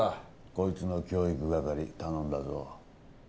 こいつの教育係頼んだぞ。